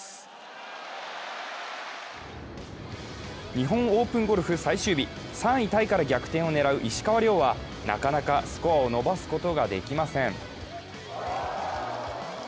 日本オープンゴルフ最終日、３位タイから逆転を狙う石川遼はなかなかスコアを伸ばすことができません。